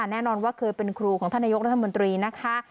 แน่นอนว่าเคยเป็นครูของท่านนายกรัฐมนตรีนะคะ